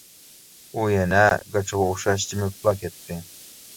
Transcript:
ئۇ يەنە گاچىغا ئوخشاش جىمىپلا كەتتى.